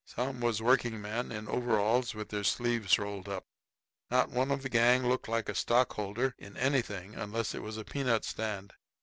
Some was working men in overalls, with their sleeves rolled up. Not one of the gang looked like a stockholder in anything unless it was a peanut stand.